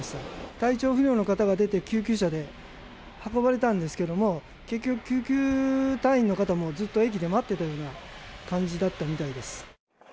体調不良の方が出て、救急車で運ばれたんですけれども、結局、救急隊員の方もずっと駅で待ってたような感じだったみたいです。